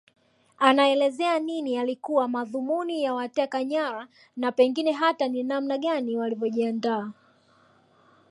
Anaelezea nini yalikuwa madhumuni ya wateka nyara na pengine hata ni namna gani walivyojiandaa